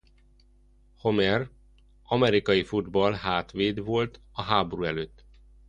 Homer amerikaifutball-hátvéd volt a háború előtt.